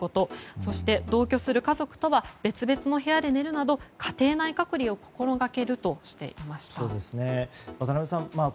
そして同居する家族とは別々の部屋で寝るなど家庭内隔離を心がけるとしていました。